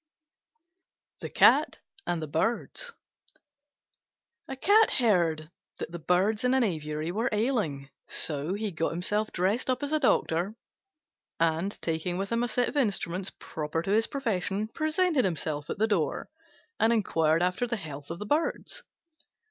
THE CAT AND THE BIRDS A Cat heard that the Birds in an aviary were ailing. So he got himself up as a doctor, and, taking with him a set of the instruments proper to his profession, presented himself at the door, and inquired after the health of the Birds.